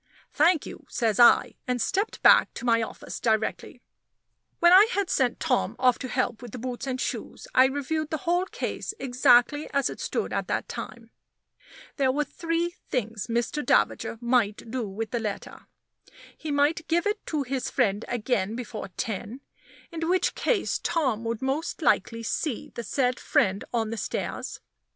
"Thank you," says I; and stepped back to my office directly. When I had sent Tom off to help with the boots and shoes, I reviewed the whole case exactly as it stood at that time. There were three things Mr. Davager might do with the letter. He might give it to his friend again before ten in which case Tom would most likely see the said friend on the stairs.